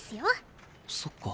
そっか。